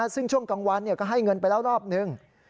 ซึ่งช่วงกลางวันก็ให้เงินไปแล้วรอบนึง